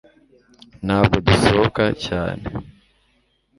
ntabwo dusohoka cyane